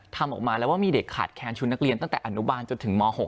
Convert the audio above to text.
ทำออกมาแล้วว่ามีเด็กขาดแค้นชุดนักเรียนตั้งแต่อนุบาลจนถึงม๖